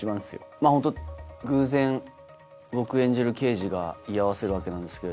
まぁホント偶然僕演じる刑事が居合わせるわけなんですけれども。